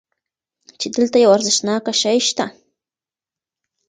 چې دلته یو ارزښتناک شی شته.